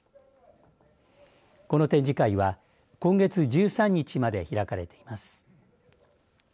この展示会は今月１３日まで開かれています。